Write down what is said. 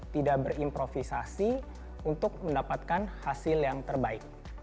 tidak berimprovisasi untuk mendapatkan hasil yang terbaik